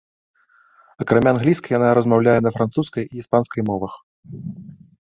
Акрамя англійскай яна размаўляе на французскай і іспанскай мовах.